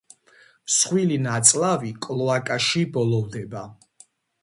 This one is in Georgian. მსხვილი ნაწლავი კლოაკაში ბოლოვდება.